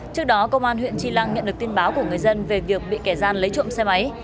trước đó công an huyện tri lăng nhận được tin báo của người dân về việc bị kẻ gian lấy trộm xe máy